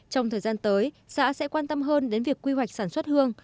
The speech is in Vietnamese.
trong thời gian tới xã sẽ quan tâm hơn đến việc quy hoạch sản xuất hương